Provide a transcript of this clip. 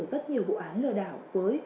rất nhiều vụ án lừa đảo với